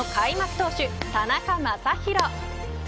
投手田中将大。